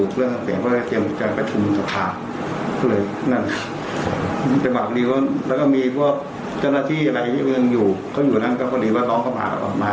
ก็จะว่าถามว่ามีจัดเลี้ยงในสมัครงานไหม